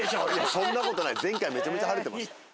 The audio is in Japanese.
そんなことない前回めちゃめちゃ晴れてました